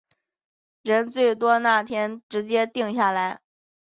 人最多那天直接定下来